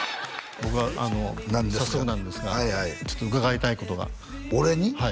僕はあの早速なんですがちょっと伺いたいことが俺に？